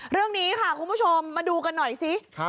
เรื่องนี้ค่ะคุณผู้ชมมาดูกันหน่อยสิ